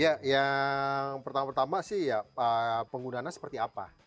ya yang pertama pertama sih ya penggunaannya seperti apa